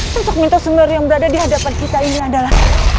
sosok mentosemel yang berada di hadapan kita ini adalah